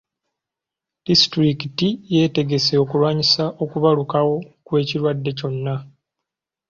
Disitulikiti yeetegese okulwanyisa okubalukawo kw'ekirwadde kyonna.